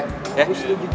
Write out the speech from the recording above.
gue sudah gitu